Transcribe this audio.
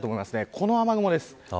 この雨雲です。